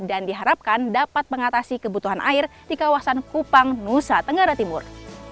dan diharapkan dapat mengatasi kebutuhan air di kawasan kupang nusa tenggara timur